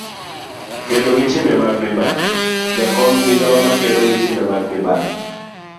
kedo gi timbe mag mibadhi. jakom, migawo makedo gi timbe mag mibadhi